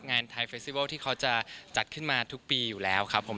งานไทยเฟสติวัลที่เขาจะจัดขึ้นมาทุกปีอยู่แล้วครับผม